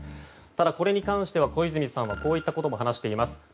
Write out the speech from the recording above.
ただ、これに関しては小泉さんはこういったことも話しています。